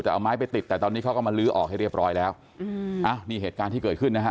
แต่เอาไม้ไปติดแต่ตอนนี้เขาก็มาลื้อออกให้เรียบร้อยแล้วอืมอ้าวนี่เหตุการณ์ที่เกิดขึ้นนะฮะ